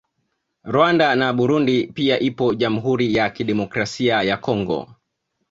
Rwanda na Burundi pia ipo Jamhuri Ya Kidemokrasia ya Congo